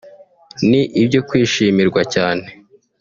ni ibyo kwishimirwa cyane